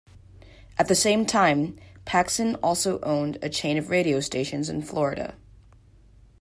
At the time, Paxson also owned a chain of radio stations in Florida.